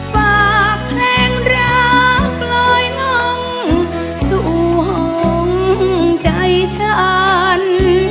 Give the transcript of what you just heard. ฝากเพลงรักกลอยน้องสู่หงใจฉัน